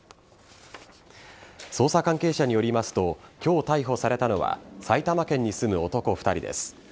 捜査関係者によりますと今日逮捕されたのは埼玉県に住む男２人です。